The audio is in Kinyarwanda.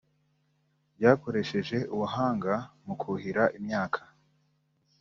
byakoresheje ubuhanga mu kuhira imyaka